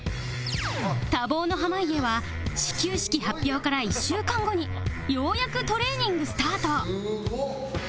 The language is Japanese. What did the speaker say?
多忙の濱家は始球式発表から１週間後にようやくトレーニングスタート